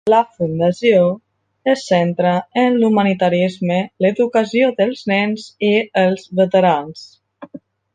La Fundació es centra en l'humanitarisme, l'educació dels nens i els veterans.